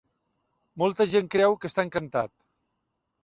Molta gent creu que està encantat.